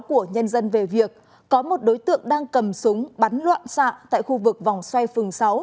của nhân dân về việc có một đối tượng đang cầm súng bắn loạn xạ tại khu vực vòng xoay phường sáu